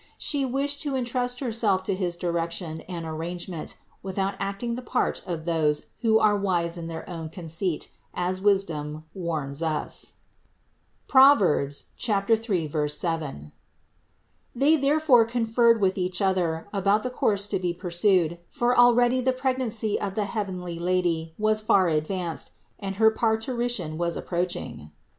She wished to entrust Herself to his direc tion and arrangement without acting the part of those who are wise in their own conceit, as Wisdom warns us (Prov. 3, 7). They therefore conferred with each other about the course to be pursued ; for already the pregnancy of the heavenly Lady was far advanced and her parturi tion was approaching.